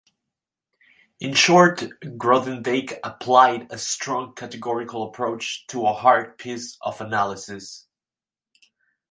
In short, Grothendieck applied a strong categorical approach to a hard piece of analysis.